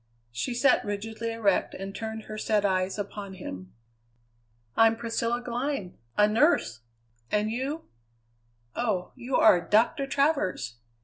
She sat rigidly erect and turned her sad eyes upon him. "I'm Priscilla Glynn a nurse! And you? Oh! you are Doctor Travers!